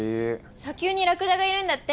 砂丘にラクダがいるんだって。